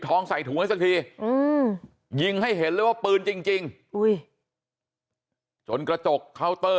ใส่ถุงไว้สักทียิงให้เห็นเลยว่าปืนจริงจนกระจกเคาน์เตอร์